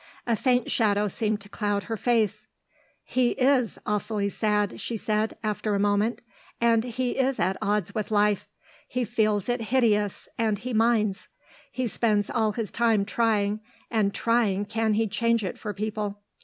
A faint shadow seemed to cloud her face. "He is awfully sad," she said, after a moment. "And he is at odds with life. He feels it hideous, and he minds. He spends all his time trying and trying can he change it for people.